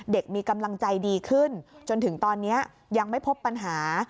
มีกำลังใจดีขึ้นจนถึงตอนนี้ยังไม่พบปัญหา